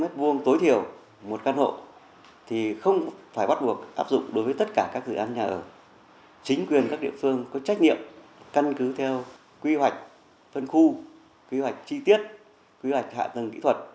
phân khu quy hoạch chi tiết quy hoạch hạ tầng kỹ thuật